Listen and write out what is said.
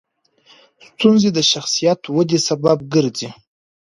ستونزې د شخصیت ودې سبب ګرځي.